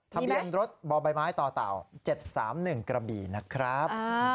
ทะเบียนรถบ่อใบไม้ต่อเต่า๗๓๑กระบี่นะครับ